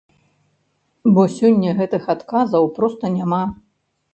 Бо сёння гэтых адказаў проста няма.